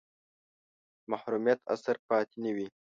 د محرومیت اثر پاتې نه وي.